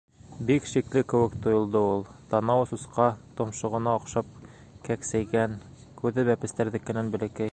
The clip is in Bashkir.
Бик шикле кеүек тойолдо ул: танауы сусҡа томшоғона оҡшап кәксәйгән, күҙе бәпестәрҙекенән бәләкәй.